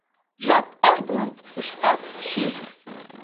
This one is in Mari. Жап эртымым ыштат шиж.